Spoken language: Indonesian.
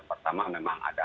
pertama memang ada